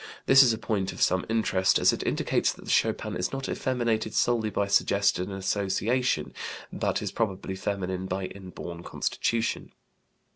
This is a point of some interest as it indicates that the schopan is not effeminated solely by suggestion and association, but is probably feminine by inborn constitution.